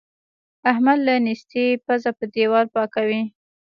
احمد له نېستۍ پزه په دېوال پاکوي.